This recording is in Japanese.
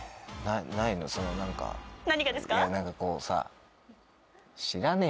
いや何かこうさ。